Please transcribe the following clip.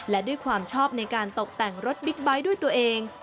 และด้วยความชอบในการตกแต่งรถบิ๊กไบท์ด้วยตัวเอง